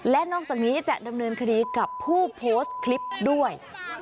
และนอกจากนี้จะดำเนินคดีกับผู้โพสต์คลิปด้วย